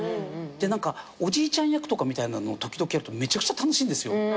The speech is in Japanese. で何かおじいちゃん役みたいなのを時々やるとめちゃくちゃ楽しいんですよ。